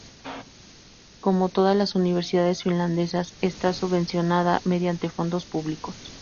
Como todas las universidades finlandesas, está subvencionada mediante fondos públicos.